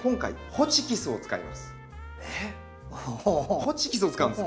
ホチキスを使うんです。